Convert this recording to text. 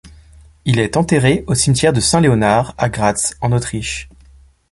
Il est enterré au cimetière de St-Léonard à Graz en Autriche.